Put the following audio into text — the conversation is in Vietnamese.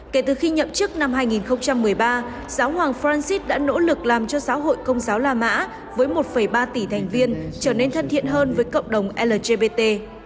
kể từ khi nhậm chức năm hai nghìn một mươi ba giáo hoàng francis đã nỗ lực làm cho giáo hội công giáo la mã với một ba tỷ thành viên trở nên thân thiện hơn với cộng đồng lgbt